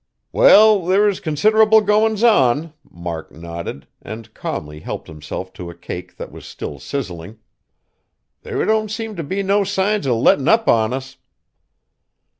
"Well, there is considerable goin's on," Mark nodded, and calmly helped himself to a cake that was still sizzling; "there don't seem t' be no signs of lettin' up on us!"